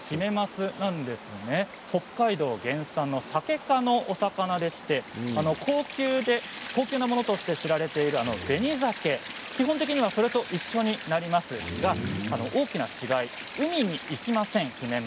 北海道原産のサケ科の魚でして高級なものとして知られているベニザケ基本的にはそれと一緒になりますが大きな違いはヒメマスは海に行きません。